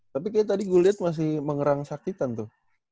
tapi kayaknya tadi gue liat masih mengerang sakitan tuh